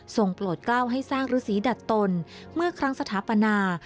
โปรดกล้าวให้สร้างฤษีดัดตนเมื่อครั้งสถาปนา